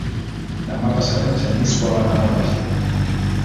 Demà passat en Genís vol anar al Verger.